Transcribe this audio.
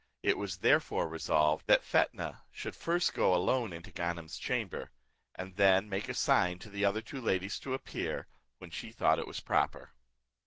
It was therefore resolved, that Fetnah should first go alone into Ganem's chamber, and then make a sign to the two other ladies to appear, when she thought it was proper.